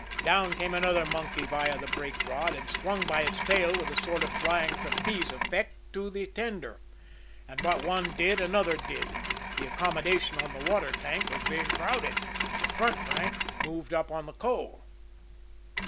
Down came another monkey via the brake rod, and swung by its tail with a sort of flying trapeze effect to the tender and what one did another did the accommodation on the water tank was being crowded the front rank moved up on the coal.